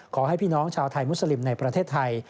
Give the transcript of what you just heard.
ขอให้พี่น้องชาวไทยมุสลิมในประเทศไทย